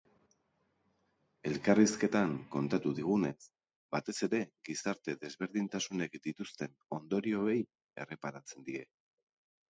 Elkarrizketan kontatu digunez, batez ere gizarte-desberdintasunek dituzten ondorioei erreparatzen die.